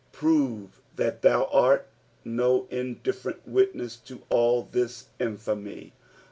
Prove that thou art no in different witness to all this infamy.